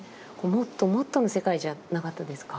もっともっとの世界じゃなかったですか？